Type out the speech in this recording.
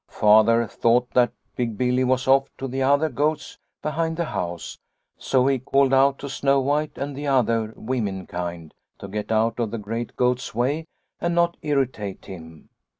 " Father thought that Big Billy was off to the other goats behind the house, so he called out to Snow White and the other womenkind to get out of the great goat's way and not irri tate him.